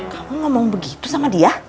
kamu ngomong begitu sama dia